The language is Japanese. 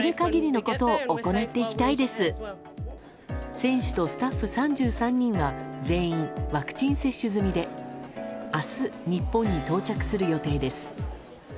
選手とスタッフ３３人が全員ワクチン接種済みで明日、日本に到着する予定です。